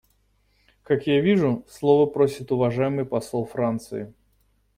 Как я вижу, слова просит уважаемый посол Франции.